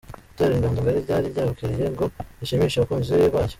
Itorero Inganzo Ngari ryari ryabukereye ngo rishimishe abakunzi baryo.